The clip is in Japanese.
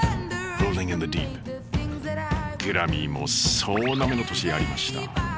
グラミーも総なめの年でありました。